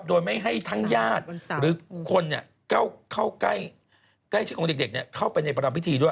โดยไม่ให้ท่านงานนั้นใกล้เองเข้าไปในประหลังพิธีด้วย